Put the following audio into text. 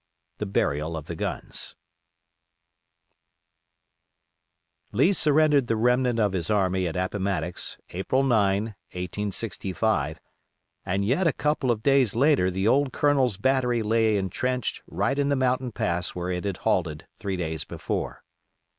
THE BURIAL OF THE GUNS Lee surrendered the remnant of his army at Appomattox, April 9, 1865, and yet a couple of days later the old Colonel's battery lay intrenched right in the mountain pass where it had halted three days before.